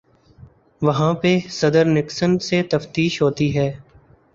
وہاں پہ صدر نکسن سے تفتیش ہوتی ہے۔